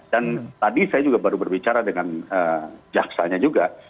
dan tadi saya juga baru berbicara dengan jaksanya juga